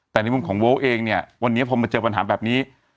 แต่ในมุมของโวลเองเนี่ยวันนี้พอมาเจอปัญหาแบบนี้